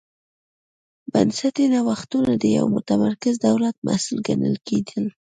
بنسټي نوښتونه د یوه متمرکز دولت محصول ګڼل کېدل.